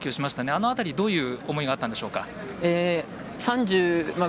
あの辺り、どういう思いがあったんでしょうか？